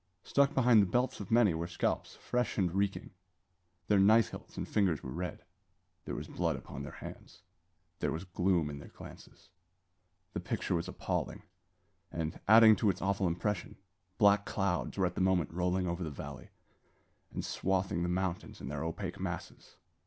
Stuck behind the belts of many were scalps, fresh and reeking. Their knife hilts and fingers were red; there was blood upon their hands; there was gloom in their glances. The picture was appalling; and, adding to its awful impression, black clouds were at the moment rolling over the valley, and swathing the mountains in their opaque masses.